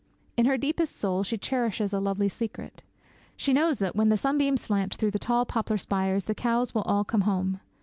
In her deepest soul she cherishes a lovely secret. She knows that, when the sunbeams slant through the tall poplar spires, the cows will all come home.